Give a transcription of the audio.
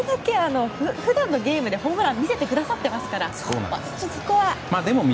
普段のゲームでホームランを見せてくれていますから少し、そこは。